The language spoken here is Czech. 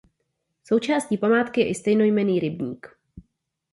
Součástí památky je i stejnojmenný rybník.